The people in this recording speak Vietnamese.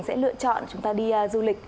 sẽ lựa chọn chúng ta đi du lịch